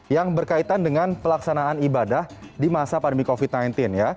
yang berkaitan dengan pelaksanaan ibadah di masa pandemi covid sembilan belas